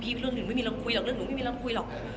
เรื่องหนึ่งไม่มีลองคุยหรอกเรื่องหนูไม่มีลองคุยหรอก